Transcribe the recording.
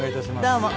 どうも。